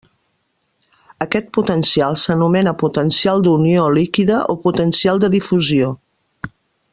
Aquest potencial s'anomena potencial d'unió líquida o potencial de difusió.